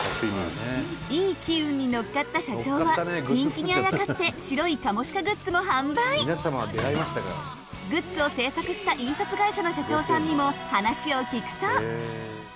いい機運に乗っかった社長は人気にあやかってグッズを製作した印刷会社の社長さんにも話を聞くと。